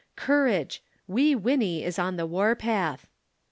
Courage! Wee Winnie is on the warpath.